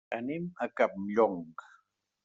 Anem a Campllong.